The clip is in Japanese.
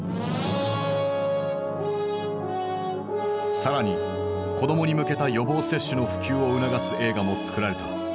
更に子供に向けた予防接種の普及を促す映画も作られた。